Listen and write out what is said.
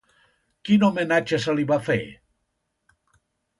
Quin homenatge se li va fer?